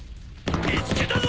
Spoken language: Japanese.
見つけたぞ！